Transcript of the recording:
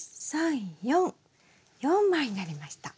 ４枚になりました。